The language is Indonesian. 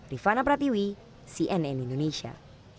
rifana pratiwi cnn indonesia